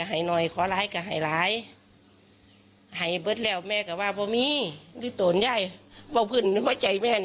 เฮ้าก็เลยเสียใจเฮ้าก็เลยเป็นอะไร